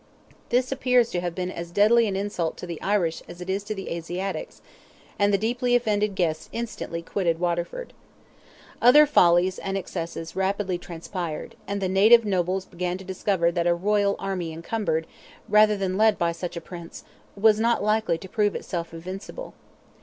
This appears to have been as deadly an insult to the Irish as it is to the Asiatics, and the deeply offended guests instantly quitted Waterford. Other follies and excesses rapidly transpired, and the native nobles began to discover that a royal army encumbered, rather than led by such a Prince, was not likely to prove itself invincible.